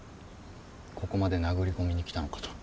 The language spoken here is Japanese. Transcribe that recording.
ここまで殴り込みに来たのかと。